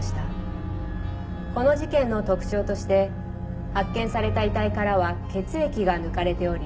この事件の特徴として発見された遺体からは血液が抜かれており。